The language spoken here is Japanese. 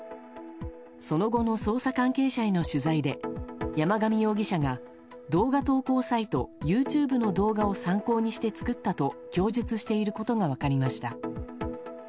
その後も、捜査関係者への取材で山上容疑者が動画投稿サイトＹｏｕＴｕｂｅの動画を参考にして作ったと供述していることが分かりました。